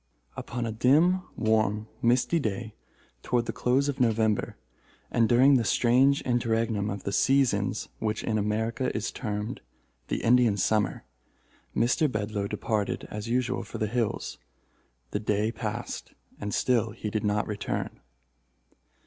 Upon a dim, warm, misty day, toward the close of November, and during the strange interregnum of the seasons which in America is termed the Indian Summer, Mr. Bedloe departed as usual for the hills. The day passed, and still he did not return.